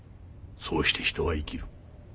そうして人は生きる。